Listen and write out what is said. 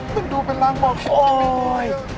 มันดูเป็นร่างบอกโอ๊ย